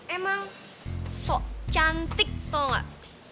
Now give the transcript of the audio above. emang so cantik tau gak